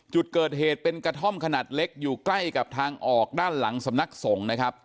จุดเกิดเหตุเป็นกระท่อมขนาดเล็กอยู่ใกล้กับทางออกด้านหลังสำนักสงฆ์นะครับ